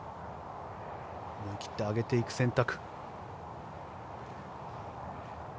思い切って上げていく選択。